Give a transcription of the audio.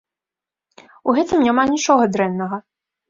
У гэтым няма нічога дрэннага.